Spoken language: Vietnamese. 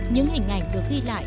những hình ảnh được ghi lại